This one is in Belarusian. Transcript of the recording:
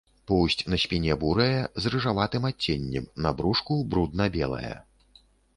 Поўсць на спіне бурая, з рыжаватым адценнем, на брушку брудна белая.